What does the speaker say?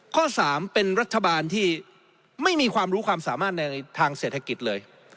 ข้อ๓เป็นรัฐบาลที่ไม่มีความรู้ความสามารถในทางเศรษฐกิจเลย